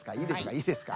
いいですか？